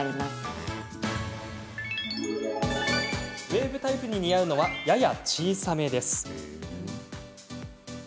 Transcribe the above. ウエーブタイプに似合うのはやや小さめです。